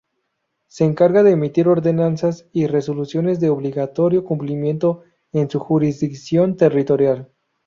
Se encarga de emitir ordenanzas y resoluciones de obligatorio cumplimiento en su jurisdicción territorial.